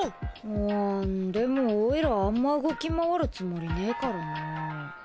あでもオイラあんま動き回るつもりねえからな。